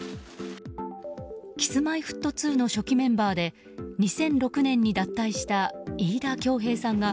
Ｋｉｓ‐Ｍｙ‐Ｆｔ２の初期メンバーで２００６年に脱退した飯田恭平さんが